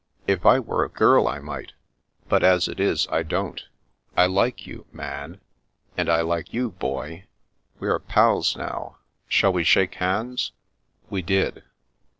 If I were a girl I might, but as it is, I don't. I like you — Man." " And I like you. Boy. We are pals now. Shall we shake hands ?" We did.